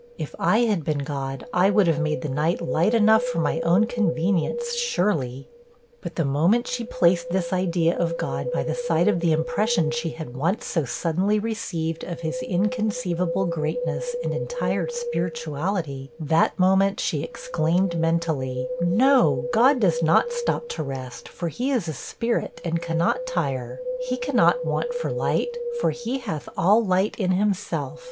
If I had been God, I would have made the night light enough for my own convenience, surely.' But the moment she placed this idea of God by the side of the impression she had once so suddenly received of his inconceivable greatness and entire spirituality, that moment she exclaimed mentally, 'No, God does not stop to rest, for he is a spirit, and cannot tire; he cannot want for light, for he hath all light in himself.